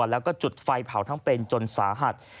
แล้วก็จุดไฟเผาทั้งเป็นจนสาหัส